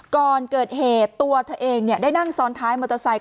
ก่อนเกิดเหตุตัวเธอเองได้นั่งซ้อนท้ายมอเตอร์ไซค